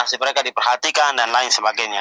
masih mereka diperhatikan dan lain sebagainya